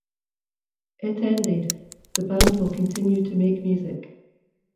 It ended: The band will continue to make music.